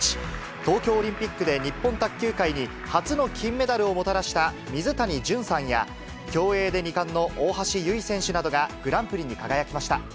東京オリンピックで日本卓球界に初の金メダルをもたらした水谷隼さんや、競泳で２冠の大橋悠依選手などがグランプリに輝きました。